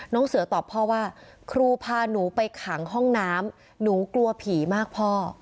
น้องเสือตอบพ่อว่าครูพาหนูไปขังห้องน้ำหนูกลัวผีมากพ่อ